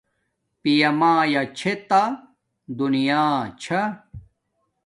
پیا مایا چھے تا دونیا چھا